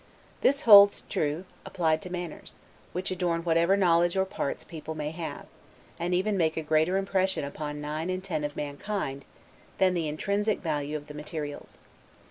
This holds true, applied to manners; which adorn whatever knowledge or parts people may have; and even make a greater impression upon nine in ten of mankind, than the intrinsic value of the materials.